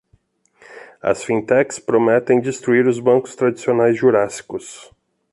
As fintechs prometem destruir os bancos tradicionais jurássicos